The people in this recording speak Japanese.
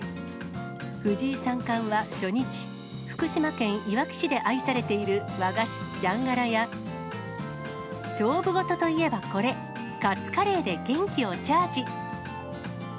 藤井三冠は初日、福島県いわき市で愛されている和菓子、じゃんがらや、勝負事といえばこれ、カツカレーで元気をチャージ。